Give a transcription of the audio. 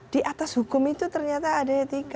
di atas hukum itu ternyata ada tiga